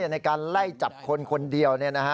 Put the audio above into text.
ในการไล่จับคนคนเดียว